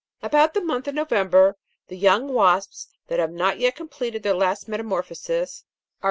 About the month of November the young wasps that have not yet completed their last metamorphosis, are put to 4.